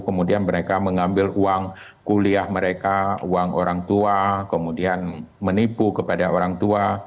kemudian mereka mengambil uang kuliah mereka uang orang tua kemudian menipu kepada orang tua